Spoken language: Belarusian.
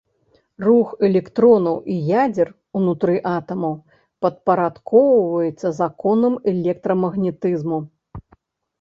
Рух электронаў і ядзер унутры атамаў падпарадкоўваецца законам электрамагнетызму.